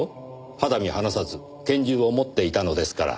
肌身離さず拳銃を持っていたのですから。